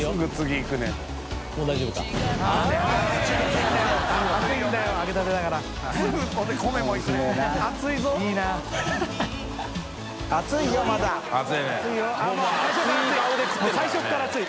もう最初から熱い。